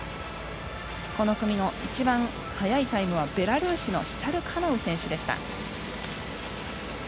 この組の一番速いタイムはベラルーシのシチャルカナウ選手。